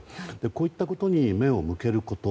こういったことに目を向けること。